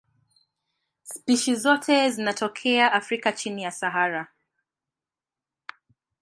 Spishi zote mbili zinatokea Afrika chini ya Sahara.